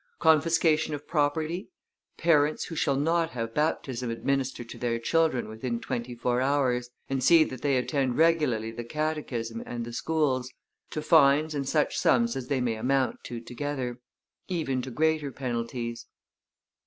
Confiscation of property: parents who shall not have baptism administered to their children within twenty four hours, and see that they attend regularly the catechism and the schools, to fines and such sums as they may amount to together; even to greater penalties.